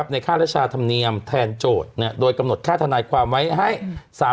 ในค่ารชาธรรมเนียมแทนโจทย์โดยกำหนดค่าธนายความไว้ให้